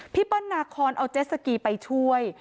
เปิ้ลนาคอนเอาเจสสกีไปช่วย